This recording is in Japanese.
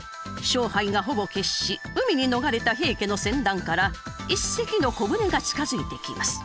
勝敗がほぼ決し海に逃れた平家の船団から一隻の小舟が近づいてきます。